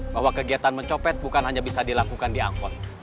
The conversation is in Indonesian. bahwa kegiatan mencopet bukan hanya bisa dilakukan di angkot